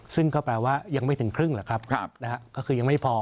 ซึ่งก็แปลว่ายังไม่ถึงครึ่งหรือครับก็คือยังไม่พอ